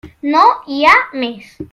No hi ha més.